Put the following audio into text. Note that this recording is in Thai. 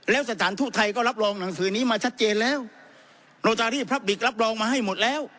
แล้วสถานทูตไทยก็รับรองหนังสือนี้มาชัดเจนแล้วโลตารีพับบิกรับรองมาให้หมดแล้ว